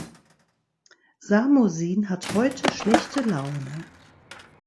Samusin hat heute schlechte Laune.